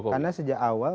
karena sejak awal